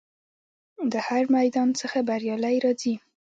له هر میدان څخه بریالی راځي.